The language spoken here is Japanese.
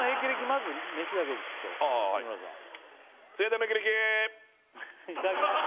まずメシだけでちょっと日村さんいただきます